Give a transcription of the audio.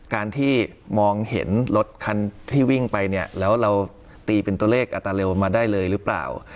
การที่มองเห็นรถคันที่วิ่งไปเนี่ยแล้วเราตีเป็นตัวเลขอัตราเร็วมาได้เลยหรือเปล่า